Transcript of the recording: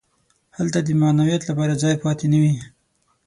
هلته د معنویت لپاره ځای پاتې نه وي.